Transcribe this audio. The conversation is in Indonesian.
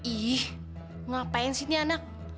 ih ngapain sih ini anak